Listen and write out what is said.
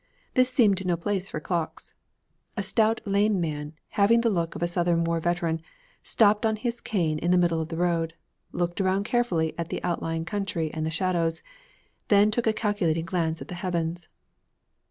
This seemed no place for clocks. A stout lame man, having the look of a Southern war veteran, stopped on his cane in the middle of the road, looked around carefully at the outlying country and the shadows, then took a calculating glance at the heavens.